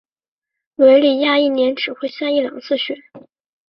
韦里亚一年只会下一两次雪。